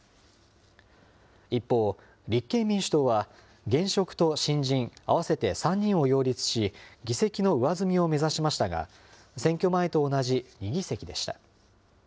一方、立憲民主党は、現職と新人合わせて３人を擁立し、議席の上積みを目指しましたが、選挙前と同じ２議席でした。